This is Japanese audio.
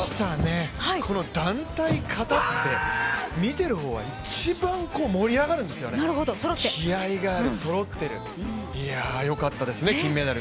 この団体形って、見ている方は一番盛り上がるんですよね、気合いがある、そろっている、よかったですね、金メダル。